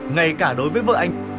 ngay cả đối với vợ anh